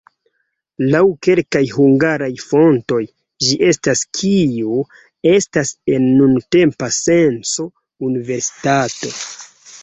Laŭ kelkaj hungaraj fontoj ĝi estis kio estas en nuntempa senco universitato.